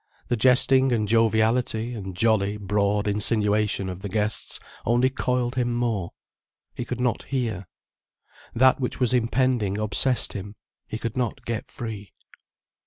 The jesting and joviality and jolly, broad insinuation of the guests only coiled him more. He could not hear. That which was impending obsessed him, he could not get free.